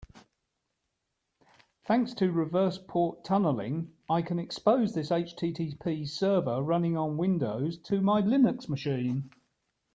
Thanks to reverse port tunneling, I can expose this HTTP server running on Windows to my Linux machine.